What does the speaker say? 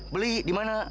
beli di mana